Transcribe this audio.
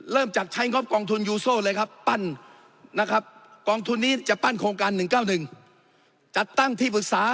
เริ่มจากใช้งบกองทุนยูโซเลยครับปั้นนะครับ